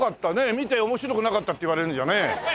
見て面白くなかったって言われるんじゃねえ。